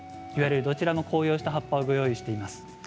どちらも紅葉した葉っぱをご用意しています。